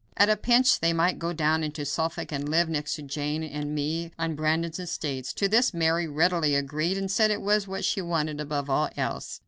At a pinch, they might go down into Suffolk and live next to Jane and me on Brandon's estates. To this Mary readily agreed, and said it was what she wanted above all else.